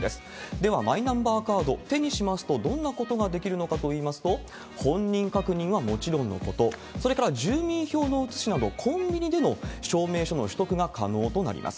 では、マイナンバーカード、手にしますとどんなことができるのかといいますと、本人確認はもちろんのこと、それから住民票の写しなど、コンビニでの証明書の取得が可能となります。